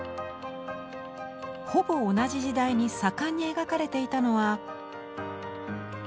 ほぼ同じ時代に盛んに描かれていたのは。